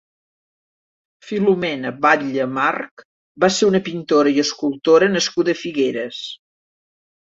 Filomena Batlle March va ser una pintora i escultora nascuda a Figueres.